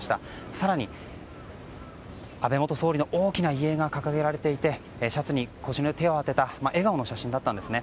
更に安倍元総理の大きな遺影が掲げられていてシャツに腰に手を当てた笑顔の写真だったんですね。